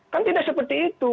kan tidak seperti itu